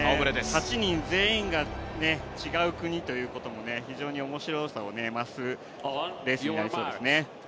８人全員が違う国ということも非常に面白さを増すレースになりそうですね。